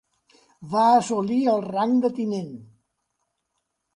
Va assolir el rang de tinent.